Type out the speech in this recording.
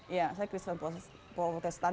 iya saya kristen protestan